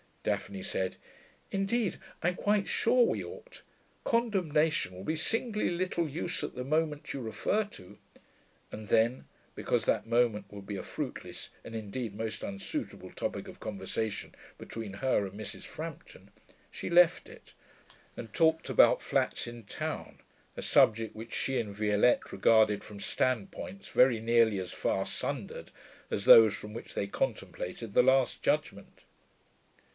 Daphne said, 'Indeed, I'm quite sure we ought. Condemnation will be singularly little use at the moment you refer to,' and then, because that moment would be a fruitless, and indeed most unsuitable, topic of conversation between her and Mrs. Frampton, she left it, and talked about flats in town, a subject which she and Violette regarded from standpoints very nearly as far sundered as those from which they contemplated the last judgment.